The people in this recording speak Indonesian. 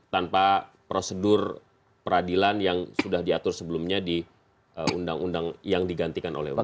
tanpa prosedur peradilan yang sudah diatur sebelumnya di undang undang yang digantikan oleh who